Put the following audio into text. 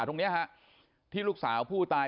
ตรงนี้ฮะที่ลูกสาวผู้ตาย